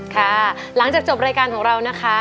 ค่ะหลังจากจบรายการของเรานะคะ